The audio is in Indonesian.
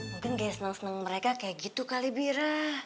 mungkin gak senang senang mereka kayak gitu kali bira